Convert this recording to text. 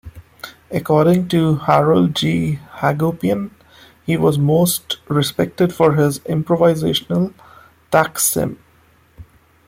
According to Harold G. Hagopian, he was most respected for his improvisational "taksim".